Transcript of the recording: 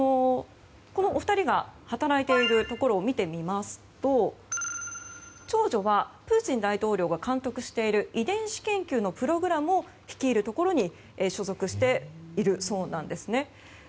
このお二人が働いているところを見てみますと長女はプーチン大統領が監督している遺伝子研究のプログラムを率いるところに所属しているそうなんです。